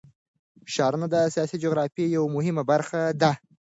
ښارونه د سیاسي جغرافیه یوه مهمه برخه ده.